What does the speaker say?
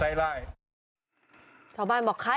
หัวเตียงค่ะหัวเตียงค่ะ